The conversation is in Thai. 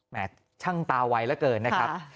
แหมช่างตาไวละเกินนะครับ